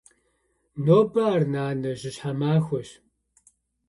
Нобэ ар нанэ жьыщхьэ махуэщ.